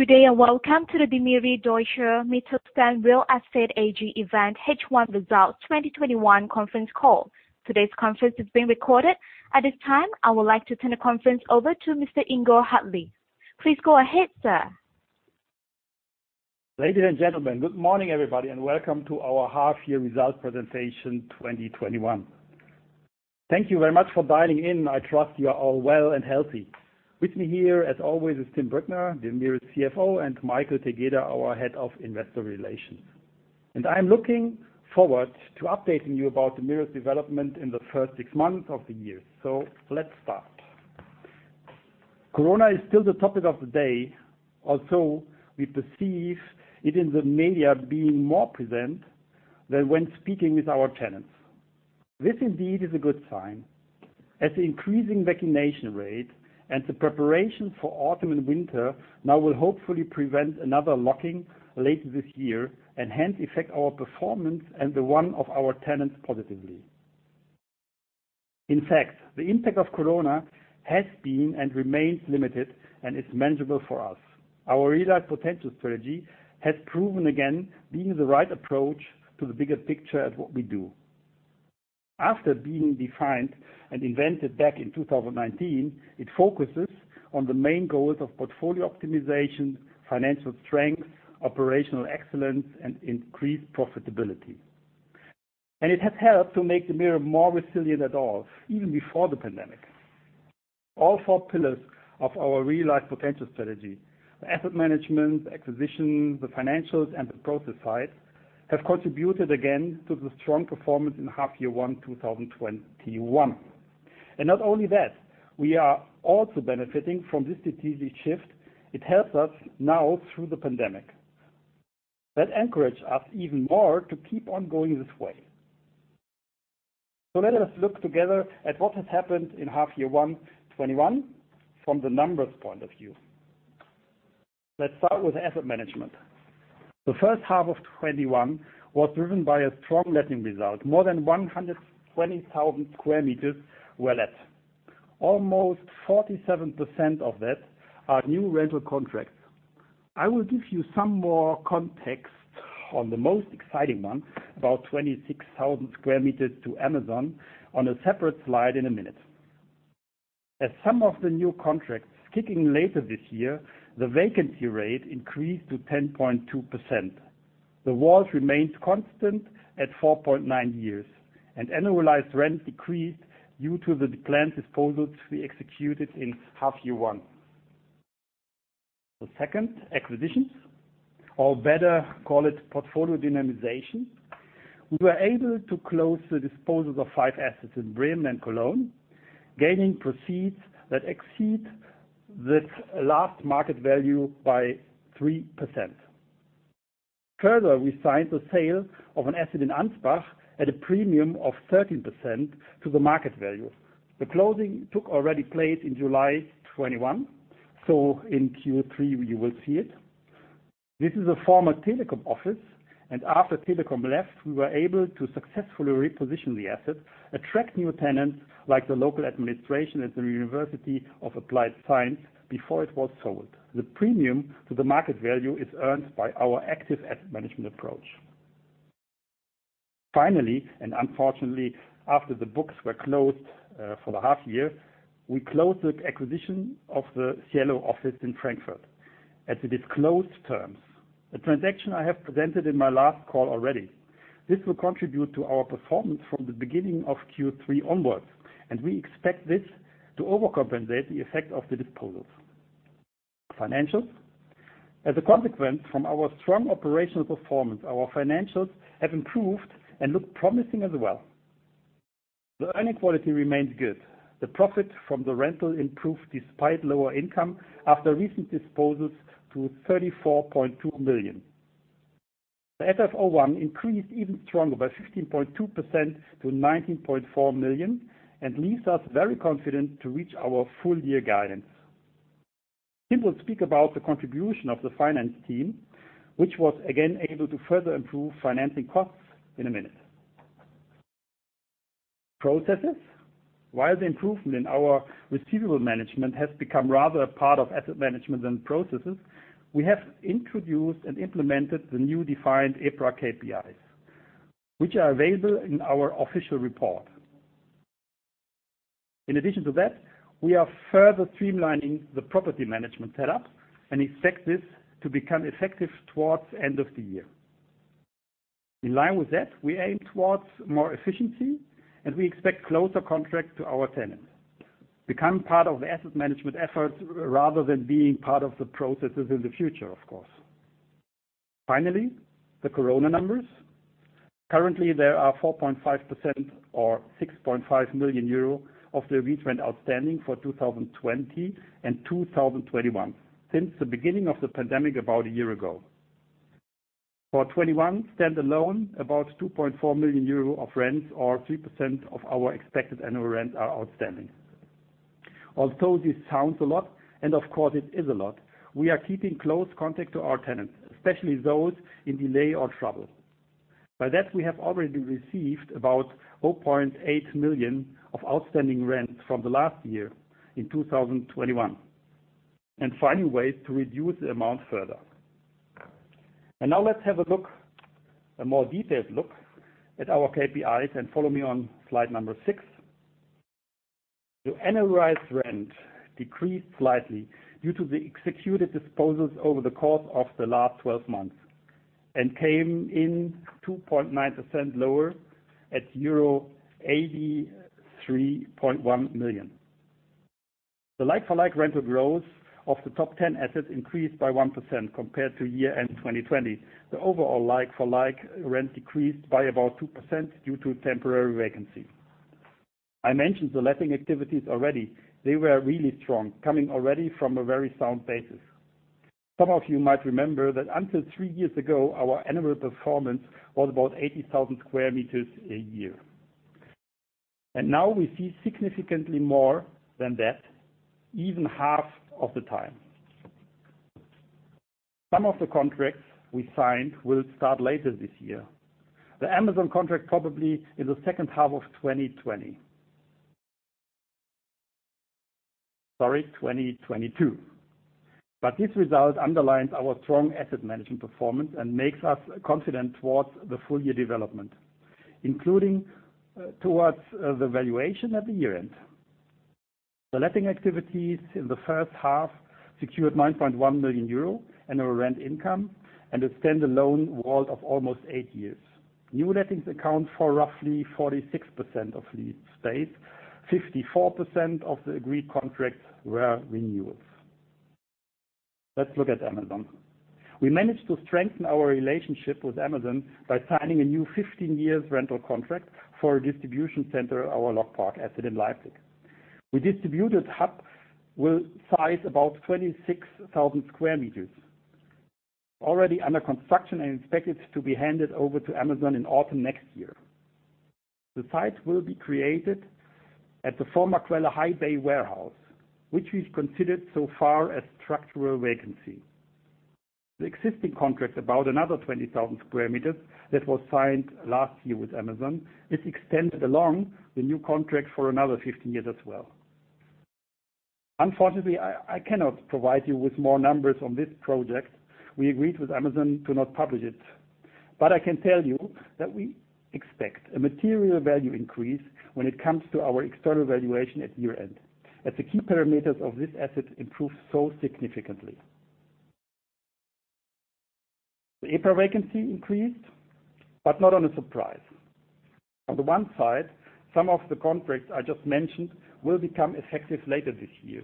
Good day, welcome to the DEMIRE Deutsche Mittelstand Real Estate AG event H1 results 2021 conference call. Today's conference is being recorded. At this time, I would like to turn the conference over to Mr. Ingo Hartlief. Please go ahead, sir. Ladies and gentlemen, good morning everybody, and welcome to our half year results presentation 2021. Thank you very much for dialing in. I trust you are all well and healthy. With me here, as always, is Tim Brückner, DEMIRE's CFO, and Michael Tegeder, our Head of Investor Relations. I am looking forward to updating you about the DEMIRE's development in the first six months of the year. Let's start. Corona is still the topic of the day. Also, we perceive it in the media being more present than when speaking with our tenants. This indeed is a good sign as the increasing vaccination rate and the preparation for autumn and winter now will hopefully prevent another lockdown late this year and hence affect our performance and the one of our tenants positively. In fact, the impact of Corona has been and remains limited and is manageable for us. Our Realized Potential Strategy has proven again being the right approach to the bigger picture at what we do. After being defined and invented back in 2019, it focuses on the main goals of portfolio optimization, financial strength, operational excellence, and increased profitability. It has helped to make DEMIRE more resilient at all, even before the pandemic. All four pillars of our Realized Potential Strategy, asset management, acquisition, the financials, and the process side have contributed again to the strong performance in half year 1, 2021. Not only that, we are also benefiting from this strategic shift. It helps us now through the pandemic. That encouraged us even more to keep on going this way. Let us look together at what has happened in half year 1, 2021 from the numbers point of view. Let's start with asset management. The first half of 2021 was driven by a strong letting result. More than 120,000 sq m were let. Almost 47% of that are new rental contracts. I will give you some more context on the most exciting one, about 26,000 sq m to Amazon on a separate slide in a minute. As some of the new contracts kicking later this year, the vacancy rate increased to 10.2%. The WAL remains constant at 4.9 years, and annualized rent decreased due to the planned disposals we executed in half year one. The second, acquisitions, or better call it portfolio dynamization. We were able to close the disposals of five assets in Bremen and Cologne, gaining proceeds that exceed this last market value by 3%. Further, we signed the sale of an asset in Ansbach at a premium of 13% to the market value. The closing took already place in July 2021. In Q3 you will see it. This is a former telecom office, and after telecom left, we were able to successfully reposition the asset, attract new tenants like the local administration at the University of Applied Science before it was sold. The premium to the market value is earned by our active asset management approach. Unfortunately, after the books were closed for the half year, we closed the acquisition of the CIELO office in Frankfurt at the disclosed terms. A transaction I have presented in my last call already. This will contribute to our performance from the beginning of Q3 onwards, and we expect this to overcompensate the effect of the disposals. Financials. As a consequence from our strong operational performance, our financials have improved and look promising as well. The earning quality remains good. The profit from the rental improved despite lower income after recent disposals to 34.2 million. The FFO 1 increased even stronger by 15.2% to 19.4 million and leaves us very confident to reach our full year guidance. Tim will speak about the contribution of the finance team, which was again able to further improve financing costs in a minute. Processes. While the improvement in our receivable management has become rather a part of asset management than processes, we have introduced and implemented the new defined EPRA KPIs, which are available in our official report. In addition to that, we are further streamlining the property management setup and expect this to become effective towards end of the year. In line with that, we aim towards more efficiency, and we expect closer contracts to our tenants. Become part of the asset management efforts rather than being part of the processes in the future, of course. Finally, the Corona numbers. Currently, there are 4.5% or 6.5 million euro of the rent outstanding for 2020 and 2021 since the beginning of the pandemic about one year ago. For 2021, stand alone about 2.4 million euro of rents or 3% of our expected annual rents are outstanding. Although this sounds a lot, and of course it is a lot, we are keeping close contact to our tenants, especially those in delay or trouble. By that we have already received about 0.8 million of outstanding rent from the last year in 2021, and finding ways to reduce the amount further. Now let's have a more detailed look at our KPIs and follow me on slide number 6. The annualized rent decreased slightly due to the executed disposals over the course of the last 12 months, and came in 2.9% lower at euro 83.1 million. The like-for-like rental growth of the top 10 assets increased by 1% compared to year-end 2020. The overall like-for-like rent decreased by about 2% due to temporary vacancy. I mentioned the letting activities already. They were really strong, coming already from a very sound basis. Some of you might remember that until three years ago, our annual performance was about 80,000 sq m a year. Now we see significantly more than that even half of the time. Some of the contracts we signed will start later this year. The Amazon contract probably in the second half of 2020. Sorry, 2022. This result underlines our strong asset management performance and makes us confident towards the full year development, including towards the valuation at the year-end. The letting activities in the first half secured 9.1 million euro annual rent income and a standalone WAL of almost 8 years. New lettings account for roughly 46% of lease state, 54% of the agreed contracts were renewals. Let's look at Amazon. We managed to strengthen our relationship with Amazon by signing a new 15 years rental contract for a distribution center, our LogPark asset in Leipzig. The distribution hub will size about 26,000 sq m, already under construction and expected to be handed over to Amazon in autumn next year. The site will be created at the former Quelle high bay warehouse, which is considered so far as structural vacancy. The existing contract, about another 20,000 sq m that was signed last year with Amazon, is extended along the new contract for another 15 years as well. Unfortunately, I cannot provide you with more numbers on this project. We agreed with Amazon to not publish it. I can tell you that we expect a material value increase when it comes to our external valuation at year-end, as the key parameters of this asset improve so significantly. The APA vacancy increased, but not on a surprise. On the one side, some of the contracts I just mentioned will become effective later this year,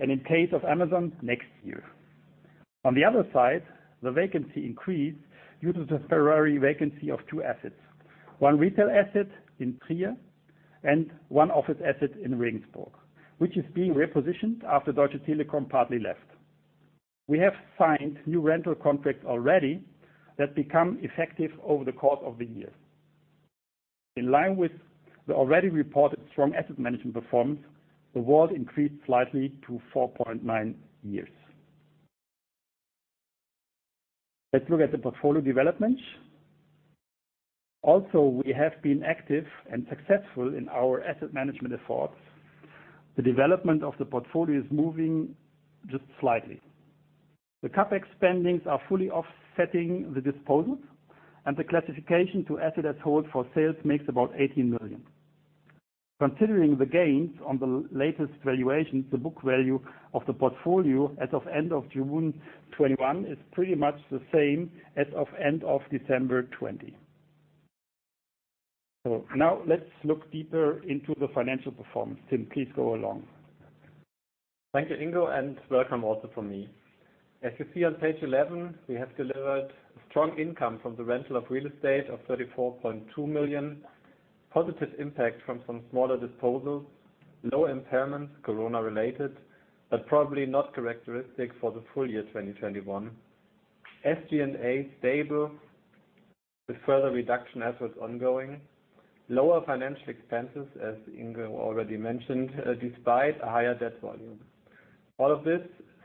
and in case of Amazon, next year. On the other side, the vacancy increased due to the temporary vacancy of two assets, one retail asset in Trier, and one office asset in Regensburg, which is being repositioned after Deutsche Telekom partly left. We have signed new rental contracts already that become effective over the course of the year. In line with the already reported strong asset management performance, the WAL increased slightly to 4.9 years. Let's look at the portfolio development. We have been active and successful in our asset management efforts. The development of the portfolio is moving just slightly. The CapEx spendings are fully offsetting the disposals, and the classification to asset as hold for sales makes about 18 million. Considering the gains on the latest valuation, the book value of the portfolio as of end of June 2021 is pretty much the same as of end of December 2020. Now let's look deeper into the financial performance. Tim, please go along. Thank you, Ingo, and welcome also from me. As you see on page 11, we have delivered strong income from the rental of real estate of 34.2 million, positive impact from some smaller disposals, low impairments, COVID-related, but probably not characteristic for the full year 2021. SG&A stable with further reduction efforts ongoing. Lower financial expenses, as Ingo already mentioned, despite a higher debt volume. All of this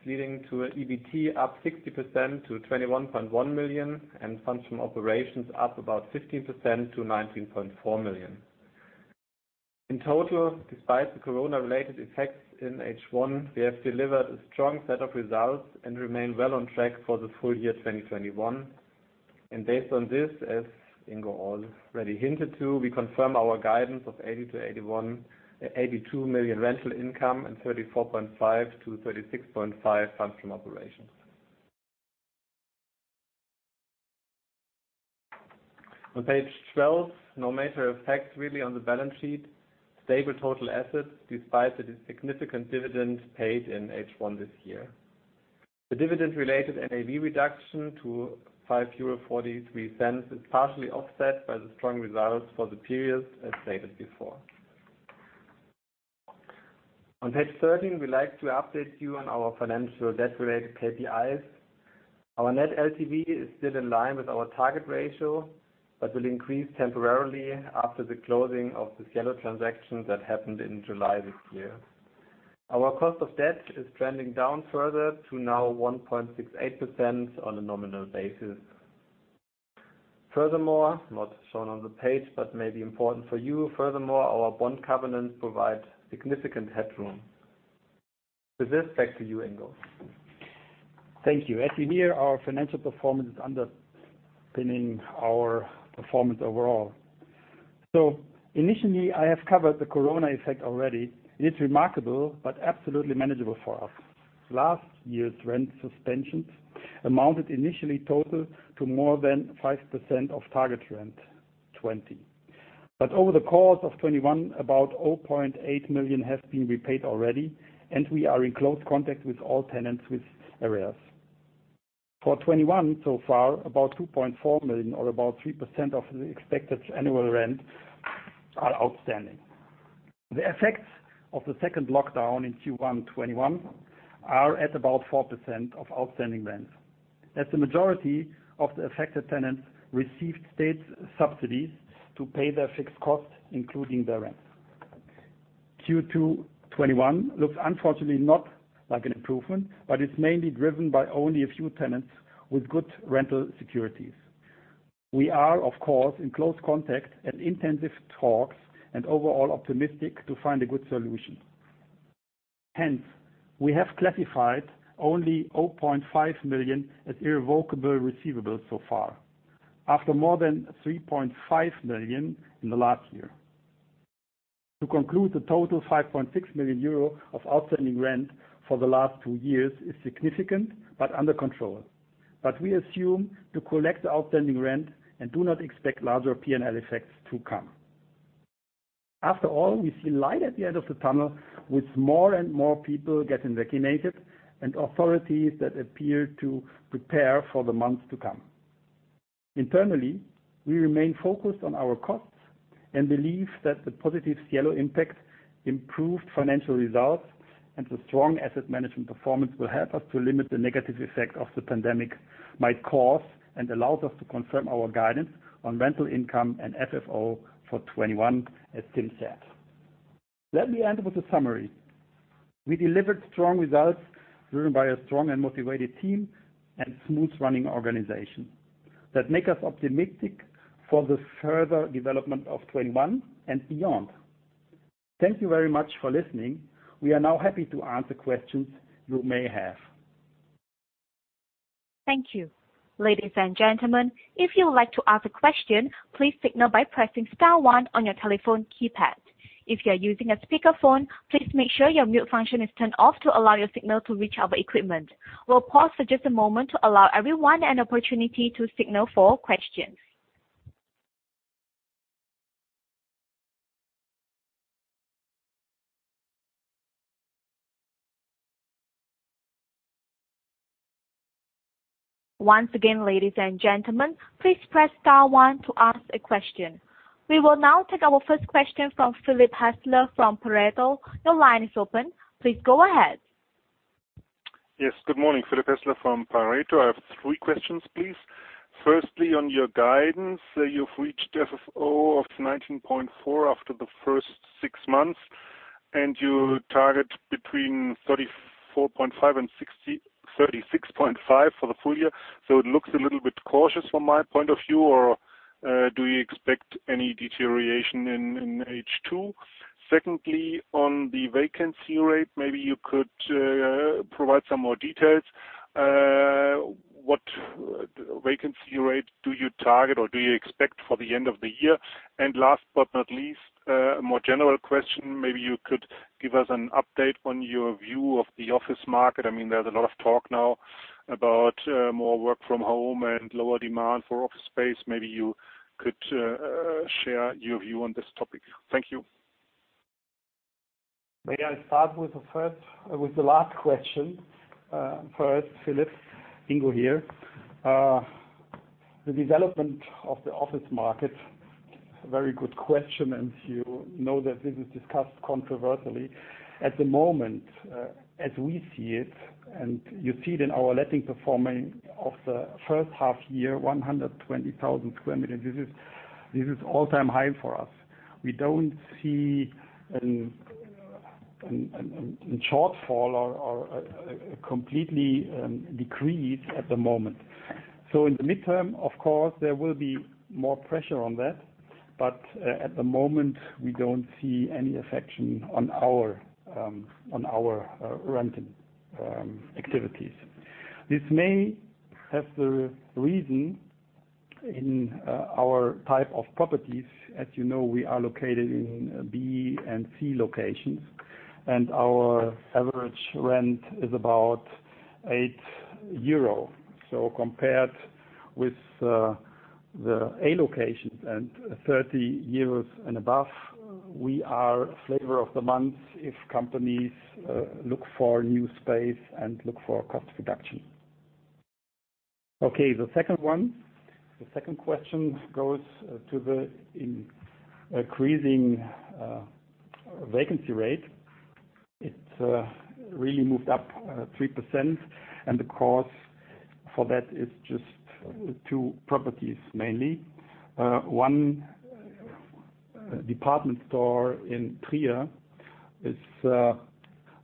leading to EBT up 60% to 21.1 million and funds from operations up about 15% to 19.4 million. In total, despite the COVID-related effects in H1, we have delivered a strong set of results and remain well on track for the full year 2021. Based on this, as Ingo already hinted to, we confirm our guidance of 80 million-82 million rental income and 34.5-36.5 funds from operations. On page 12, no major effects really on the balance sheet. Stable total assets, despite the significant dividend paid in H1 this year. The dividend related NAV reduction to 5.43 euro is partially offset by the strong results for the period as stated before. On page 13, we like to update you on our financial debt related KPIs. Our net LTV is still in line with our target ratio, but will increase temporarily after the closing of the CIELO transaction that happened in July this year. Our cost of debt is trending down further to now 1.68% on a nominal basis. Not shown on the page, but maybe important for you, furthermore, our bond covenants provide significant headroom. With this, back to you, Ingo. Thank you. As you hear, our financial performance is underpinning our performance overall. Initially, I have covered the corona effect already. It is remarkable, absolutely manageable for us. Last year's rent suspensions amounted initially total to more than 5% of target rent 2020. Over the course of 2021, about 0.8 million has been repaid already, and we are in close contact with all tenants with arrears. For 2021, so far, about 2.4 million or about 3% of the expected annual rent are outstanding. The effects of the second lockdown in Q1 2021 are at about 4% of outstanding rents. The majority of the affected tenants received state subsidies to pay their fixed costs, including their rent. Q2 2021 looks unfortunately not like an improvement, but it's mainly driven by only a few tenants with good rental securities. We are, of course, in close contact and intensive talks and overall optimistic to find a good solution. Hence, we have classified only 0.5 million as irrevocable receivables so far, after more than 3.5 million in the last year. To conclude, the total 5.6 million euro of outstanding rent for the last two years is significant but under control. We assume to collect the outstanding rent and do not expect larger P&L effects to come. After all, we see light at the end of the tunnel with more and more people getting vaccinated and authorities that appear to prepare for the months to come. Internally, we remain focused on our costs and believe that the positive CIELO impact improved financial results, and the strong asset management performance will help us to limit the negative effect of the pandemic might cause and allows us to confirm our guidance on rental income and FFO for 2021 as Tim said. Let me end with a summary. We delivered strong results driven by a strong and motivated team and smooth running organization that make us optimistic for the further development of 2021 and beyond. Thank you very much for listening. We are now happy to answer questions you may have. Thank you. Ladies and gentlemen, if you would like to ask a question, please signal by pressing star 1 on your telephone keypad. If you are using a speakerphone, please make sure your mute function is turned off to allow your signal to reach our equipment. We'll pause for just a moment to allow everyone an opportunity to signal for questions. Once again, ladies and gentlemen, please press star 1 to ask a question. We will now take our first question from Philipp Hässler from Pareto. Your line is open. Please go ahead. Good morning. Philipp Hässler from Pareto. I have 3 questions, please. On your guidance, you've reached FFO of 19.4 after the first six months, and you target between 34.5 and 36.5 for the full year. It looks a little bit cautious from my point of view, or do you expect any deterioration in H2? On the vacancy rate, maybe you could provide some more details. What vacancy rate do you target, or do you expect for the end of the year? Last but not least, a more general question. Maybe you could give us an update on your view of the office market. There's a lot of talk now about more work from home and lower demand for office space. Maybe you could share your view on this topic. Thank you. May I start with the last question first, Philipp? Ingo here. The development of the office market. Very good question, and you know that this is discussed controversially. At the moment, as we see it, and you see it in our letting performance of the first half year, 120,000 sq m. This is all-time high for us. We don't see a shortfall or completely decrease at the moment. In the midterm, of course, there will be more pressure on that. At the moment, we don't see any affection on our renting activities. This may have the reason in our type of properties. As you know, we are located in B and C locations, and our average rent is about 8 euro. Compared with the A locations and 30 euros and above, we are flavor of the month if companies look for new space and look for cost reduction. The 2nd question goes to the increasing vacancy rate. It really moved up 3%. The cause for that is just 2 properties, mainly. One department store in Trier is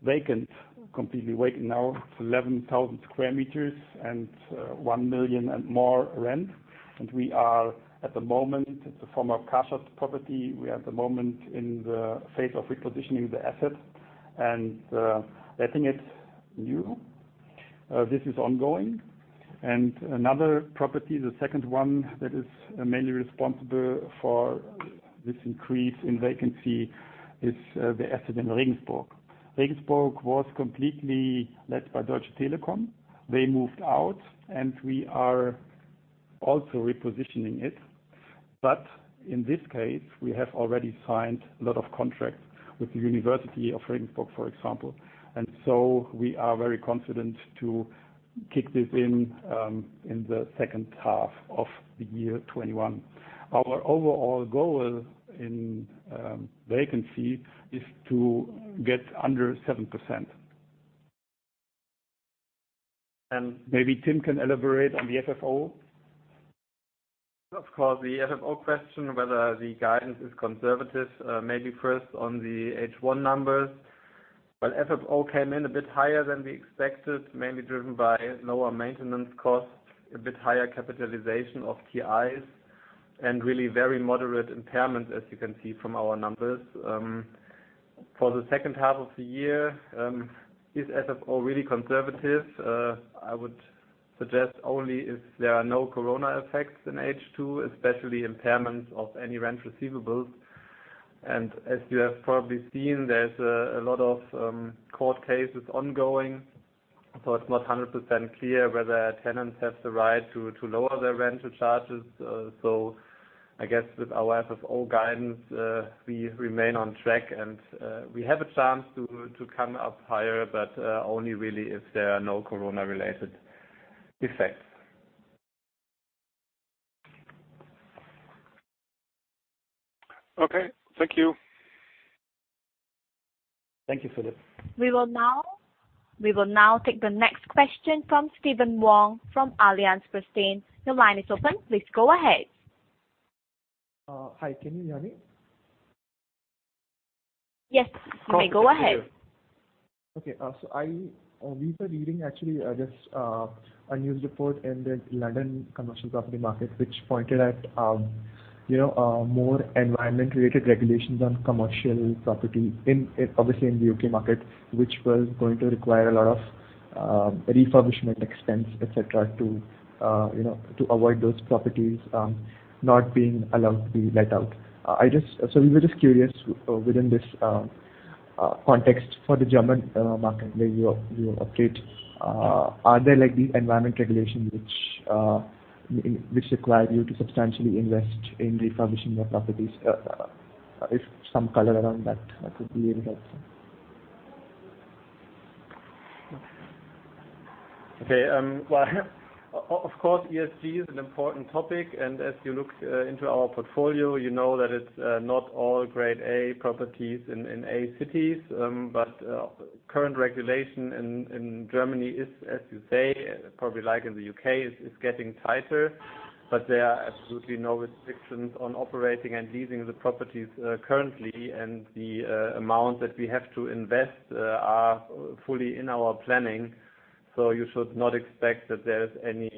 vacant, completely vacant now. It's 11,000 sq m and 1 million and more rent. We are at the moment, the former Karstadt property. We are at the moment in the phase of repositioning the asset and letting it new. This is ongoing. Another property, the 2nd one that is mainly responsible for this increase in vacancy is the asset in Regensburg. Regensburg was completely let by Deutsche Telekom. They moved out. We are also repositioning it. In this case, we have already signed a lot of contracts with the University of Regensburg, for example. We are very confident to kick this in the 2nd half of the year 2021. Our overall goal in vacancy is to get under 7%. Maybe Tim can elaborate on the FFO. Of course, the FFO question, whether the guidance is conservative, maybe first on the H1 numbers. FFO came in a bit higher than we expected, mainly driven by lower maintenance costs, a bit higher capitalization of TIs, and really very moderate impairment, as you can see from our numbers. For the second half of the year, is FFO really conservative? I would suggest only if there are no Corona effects in H2, especially impairment of any rent receivables. As you have probably seen, there's a lot of court cases ongoing, so it's not 100% clear whether tenants have the right to lower their rental charges. I guess with our FFO guidance, we remain on track and we have a chance to come up higher, but only really if there are no Corona-related effects. Okay. Thank you. Thank you, Philipp. We will now take the next question from Steven Wong from Allianz. Steven, your line is open. Please go ahead. Hi, can you hear me? Yes. You may go ahead. Okay. We were reading actually just a news report in the London commercial property market, which pointed at more environment related regulations on commercial property obviously in the U.K. market, which was going to require a lot of refurbishment expense, et cetera, to avoid those properties not being allowed to be let out. We were just curious within this context for the German market where you operate, are there these environment regulations which require you to substantially invest in refurbishing your properties? If some color around that would be really helpful. Of course, ESG is an important topic, and as you look into our portfolio, you know that it's not all grade A properties in A cities. Current regulation in Germany is, as you say, probably like in the U.K., is getting tighter. There are absolutely no restrictions on operating and leasing the properties currently. The amount that we have to invest are fully in our planning. You should not expect that there is any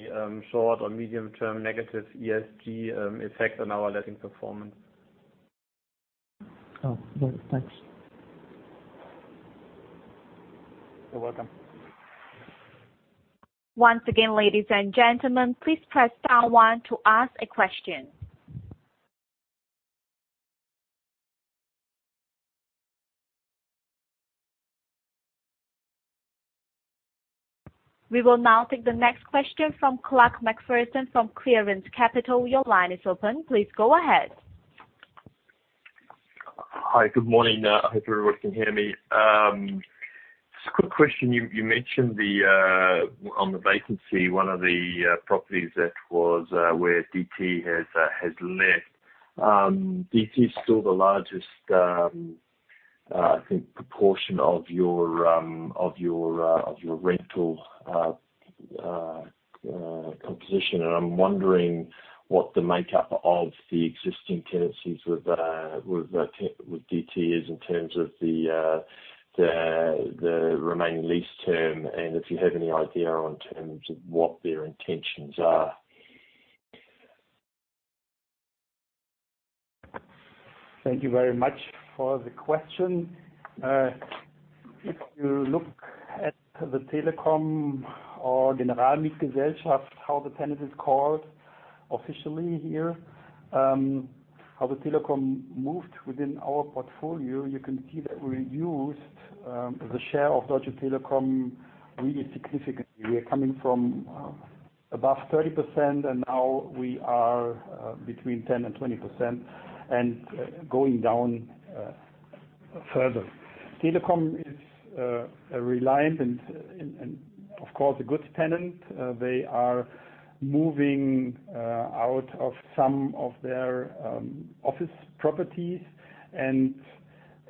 short or medium term negative ESG effect on our letting performance. Oh, good. Thanks. You're welcome. Once again, ladies and gentlemen, please press star one to ask a question. We will now take the next question from Clark McPherson from Clearance Capital. Your line is open. Please go ahead. Hi. Good morning. I hope you all can hear me. Just a quick question. You mentioned on the vacancy, 1 of the properties that was where DT has left. DT is still the largest, I think, proportion of your rental composition. I'm wondering what the makeup of the existing tenancies with DT is in terms of the remaining lease term, and if you have any idea on terms of what their intentions are. Thank you very much for the question. If you look at the Telekom or Generalgesellschaft, how the tenant is called officially here, how the Telekom moved within our portfolio, you can see that we reduced the share of Deutsche Telekom really significantly. We are coming from above 30% and now we are between 10% and 20% and going down further. Telekom is reliant and, of course, a good tenant. They are moving out of some of their office properties and.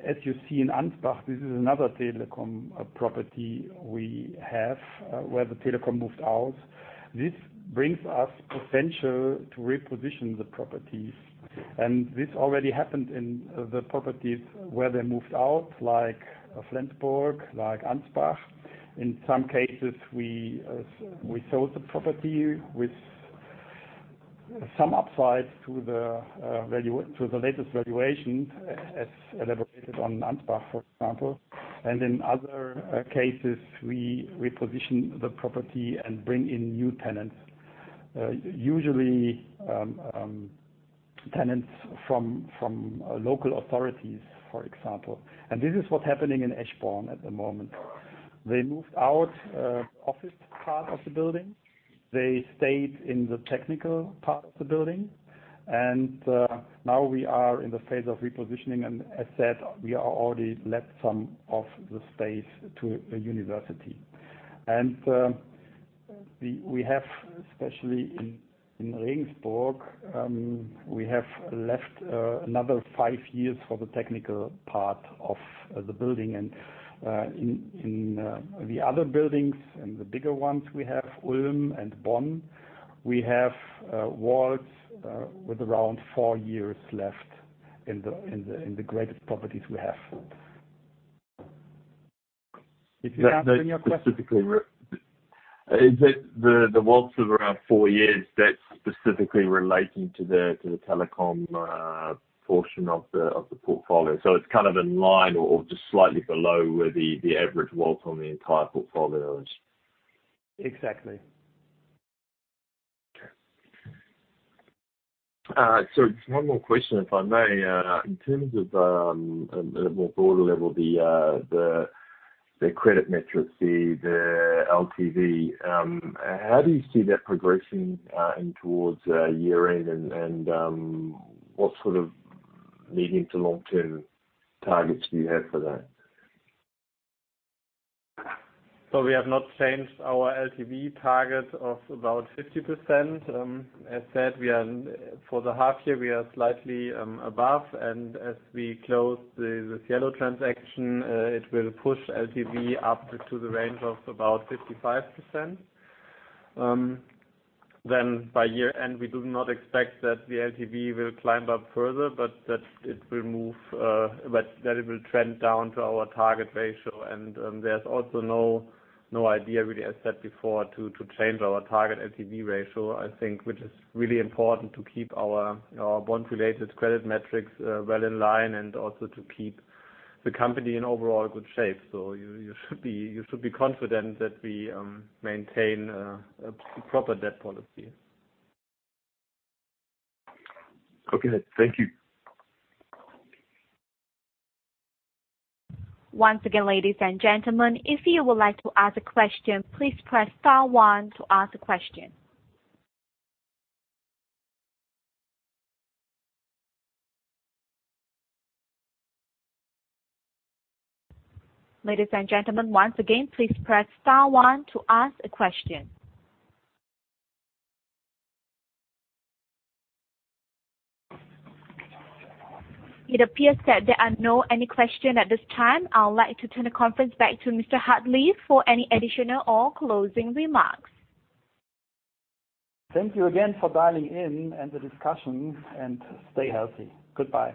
As you see in Ansbach, this is another Telekom property we have where the Telekom moved out. This brings us potential to reposition the properties. This already happened in the properties where they moved out, like Flensburg, like Ansbach. In some cases, we sold the property with some upside to the latest valuation, as elaborated on Ansbach, for example. In other cases, we reposition the property and bring in new tenants, usually tenants from local authorities, for example. This is what's happening in Eschborn at the moment. They moved out office part of the building. They stayed in the technical part of the building. Now we are in the phase of repositioning, and as said, we are already let some of the space to a university. We have, especially in Regensburg, we have left another five years for the technical part of the building. In the other buildings, in the bigger ones we have, Ulm and Bonn, we have WALT with around 4 years left in the greatest properties we have. If you have any other questions. Is it the WALTs of around four years, that's specifically relating to the telecom portion of the portfolio? It's kind of in line or just slightly below where the average WALT on the entire portfolio is. Exactly. Okay. Just one more question, if I may. In terms of, at a more broader level, the credit metrics, the LTV, how do you see that progressing in towards year-end, and what sort of medium to long-term targets do you have for that? We have not changed our LTV target of about 50%. As said, for the half year, we are slightly above. As we close the CIELO transaction, it will push LTV up to the range of about 55%. By year-end, we do not expect that the LTV will climb up further, but that it will trend down to our target ratio. There's also no idea really, as said before, to change our target LTV ratio, I think, which is really important to keep our bond-related credit metrics well in line and also to keep the company in overall good shape. You should be confident that we maintain a proper debt policy. Okay. Thank you. Once again, ladies and gentlemen, if you would like to ask a question, please press star 1 to ask a question. Ladies and gentlemen, once again, please press star 1 to ask a question. It appears that there are no any question at this time. I would like to turn the conference back to Mr. Hartlief for any additional or closing remarks. Thank you again for dialing in and the discussion, and stay healthy. Goodbye.